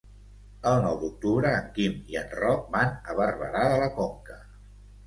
El nou d'octubre en Quim i en Roc van a Barberà de la Conca.